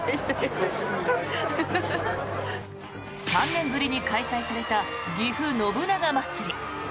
３年ぶりに開催されたぎふ信長まつり。